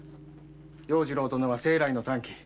要次郎殿は生来の短気。